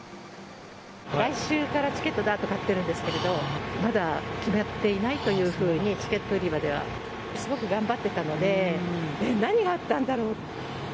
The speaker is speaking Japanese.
来週からチケットを買ってるんですけど、まだ決まっていないというふうにチケット売り場では。すごく頑張ってたので、何があったんだろう。